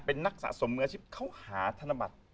เป็นนักสะสมมืออาชีพเขาหาธนบัตร